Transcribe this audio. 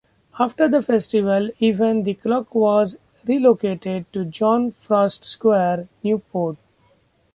After the festival event the clock was relocated to John Frost Square, Newport.